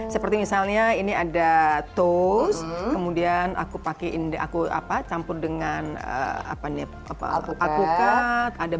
seperti misalnya ini ada tools kemudian aku pakai aku campur dengan alpukat